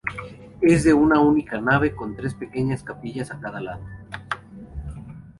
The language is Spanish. Es de una única nave con tres pequeñas capillas a cada lado.